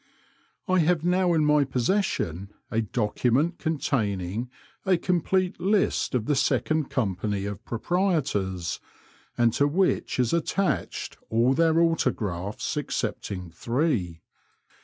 I have now in my possession a document containing a complete list of the second company of proprietors, and to which is attached all their autographs excepting three.